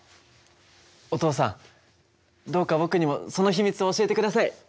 お父さんどうか僕にもその秘密を教えて下さい！